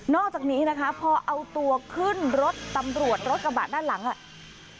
อกจากนี้นะคะพอเอาตัวขึ้นรถตำรวจรถกระบะด้านหลังอ่ะ